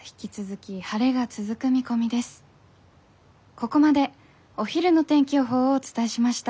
ここまでお昼の天気予報をお伝えしました。